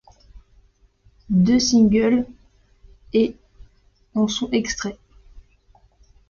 Deux singles, ' et ', en sont extraits.